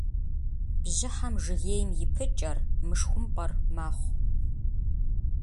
Бжьыхьэм жыгейм и пыкӏэр, мышхумпӏэр, мэхъу.